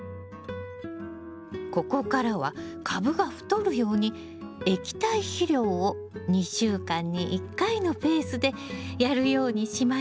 ここからはカブが太るように液体肥料を２週間に１回のペースでやるようにしましょう。